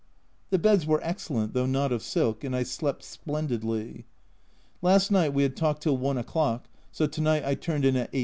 The beds were excellent, though not of silk, and I slept splendidly. Last night we had talked till one o'clock, so to night I turned in at 8.